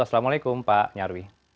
assalamualaikum pak nyarwi